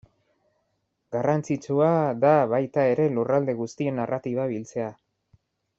Garrantzitsua da baita ere lurralde guztien narratiba biltzea.